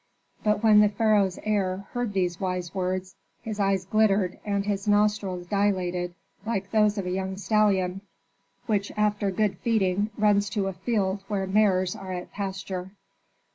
But when the pharaoh's heir heard these wise words his eyes glittered, and his nostrils dilated like those of a young stallion which after good feeding runs to a field where mares are at pasture.